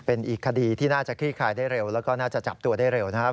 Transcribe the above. เป็นอีกคดีที่น่าจะคลี่คลายได้เร็วแล้วก็น่าจะจับตัวได้เร็วนะครับ